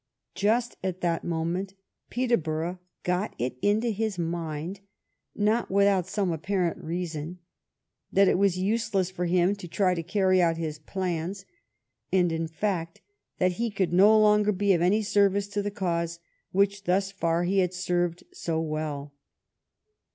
Just at that moment Peterborough got it into his mind, not without some apparent reason, that it was useless for him to try to carry out his plans, and, in fact, that he could no longer be of any service to the cause which thus far he had served so well.